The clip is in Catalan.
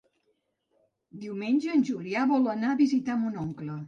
Diumenge en Julià vol anar a visitar mon oncle.